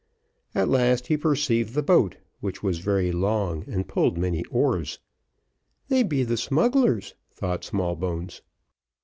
At last he perceived the boat, which was very long and pulled many oars. "They be the smuglars," thought Smallbones.